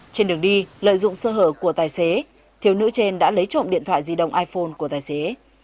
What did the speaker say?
trên đường đi lợi dụng sơ hở của tài xế thiếu nữ trên đã lấy trộm điện thoại di động iphone của tài xế